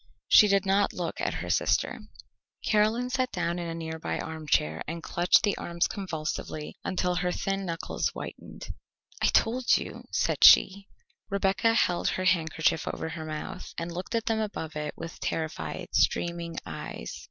She did not look at her sister. Caroline sat down in a nearby armchair, and clutched the arms convulsively until her thin knuckles whitened. "I told you," said she. Rebecca held her handkerchief over her mouth, and looked at them above it with terrified, streaming eyes.